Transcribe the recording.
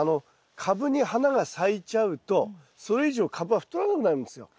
カブに花が咲いちゃうとそれ以上カブは太らなくなるんですよ。